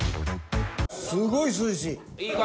すごい涼しい。